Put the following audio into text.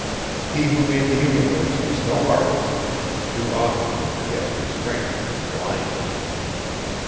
He who made the universe is no artist; too often He forgets restraint, and blinds us.